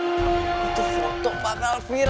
itu foto bakal viral banget cuy